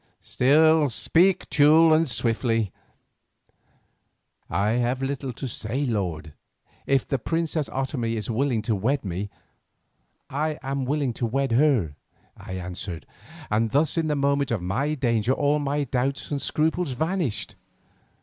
Still, speak, Teule, and swiftly." "I have little to say, lord. If the princess Otomie is willing to wed me, I am willing to wed her," I answered, and thus in the moment of my danger all my doubts and scruples vanished.